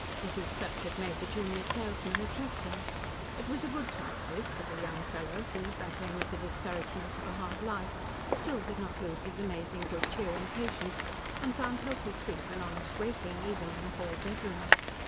Betty's touch had made the junior salesman attracting. It was a good type this, of a young fellow who, battling with the discouragements of a hard life, still did not lose his amazing good cheer and patience, and found healthy sleep and honest waking, even in the hall bedroom.